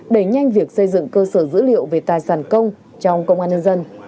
đẩy nhanh việc xây dựng cơ sở dữ liệu về tài sản công trong công an nhân dân